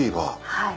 はい。